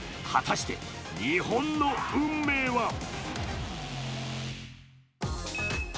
果たして、日本の運命は。